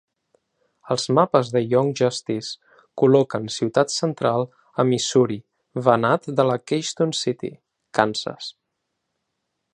Els mapes de Young Justice col·loquen Ciutat Central a Missouri vanat de la Keystone City, Kansas.